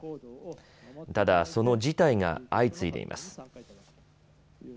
ただ、その辞退が相次いでいます。